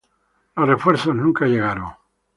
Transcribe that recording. Los refuerzos nunca llegaron.